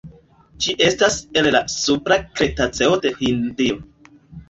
Ĝi estas el la supra kretaceo de Hindio.